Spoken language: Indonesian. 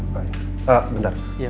bentar catherine udah datang